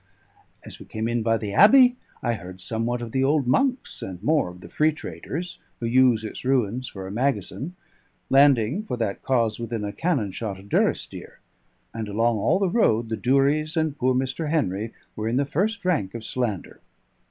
As we came in by the abbey I heard somewhat of the old monks, and more of the free traders, who use its ruins for a magazine, landing for that cause within a cannon shot of Durrisdeer; and along all the road the Duries and poor Mr. Henry were in the first rank of slander.